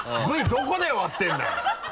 どこで終わってるんだよ！